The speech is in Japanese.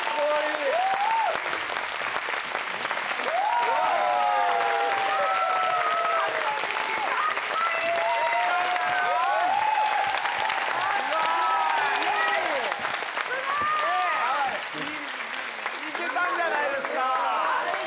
いけたんじゃないですか？